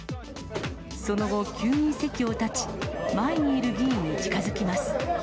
その後、急に席を立ち、前にいる議員に近づきます。